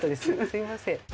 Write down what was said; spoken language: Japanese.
すいません。